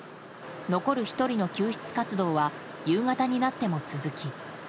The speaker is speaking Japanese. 残る１人の救出活動は夕方になっても続き。